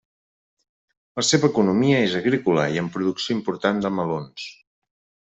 La seva economia és agrícola amb producció important de melons.